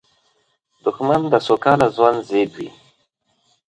دښمن د سوکاله ژوند ضد وي